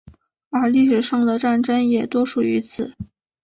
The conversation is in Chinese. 而历史上的战争也多属于此。